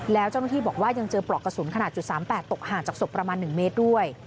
แล้วเจ้าหน้าที่บอกว่ายังเจอปลอกกระสุนขนาด๓๘ตกห่างจากศพประมาณ๑เมตรด้วย